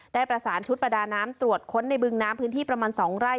ได้ประสานชุดประดาน้ำตรวจค้นในบึงน้ำพื้นที่ประมาณ๒ไร่